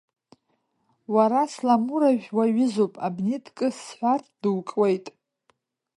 Уара сламуражә уаҩызоуп, абни дкы сҳәар дукуеит.